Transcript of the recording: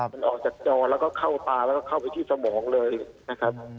มันออกจากจอแล้วก็เข้าตาแล้วก็เข้าไปที่สมองเลยนะครับ